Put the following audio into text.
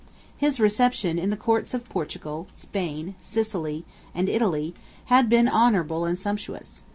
His reception in the Courts of Portugal, Spain, Sicily, Italy, had been honorable and sumptuous.